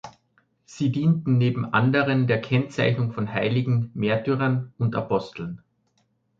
Sie dienten neben anderen der Kennzeichnung von Heiligen, Märtyrern und Aposteln.